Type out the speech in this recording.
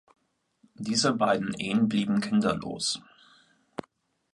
Diese beiden Ehen blieben kinderlos.